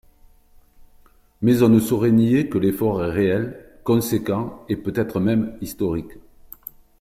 Mais on ne saurait nier que l’effort est réel, conséquent et peut-être même historique.